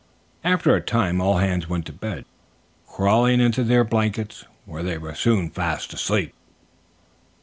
After a time all hands went to bed, crawling into their blankets, where they were soon fast asleep.